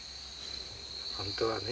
本当はね